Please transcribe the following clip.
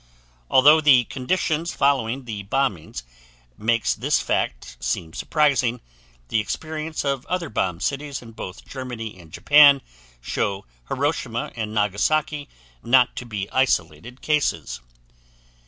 Although the conditions following the bombings makes this fact seem surprising, the experience of other bombed cities in both Germany and Japan show Hiroshima and Nagasaki not to be isolated cases.